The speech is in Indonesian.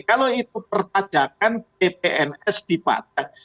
kalau itu perpadakan ppns dipadang